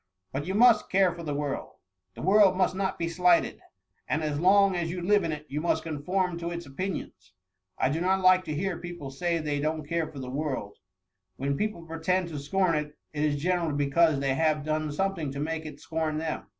" But you must care for the world — the world must not be slighted ! and as long as you live in it, you must conform to its opi nions. I don't like i:o hear people say they don't care for the \^rld ; when people pretend to scorn it, it is geyrally because they have done something to make it scorn them.''